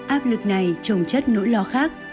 áp lực này trồng chất nỗi lo khác